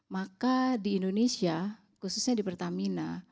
maka di indonesia khususnya di pertamina